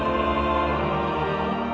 tuhan yang dipercaya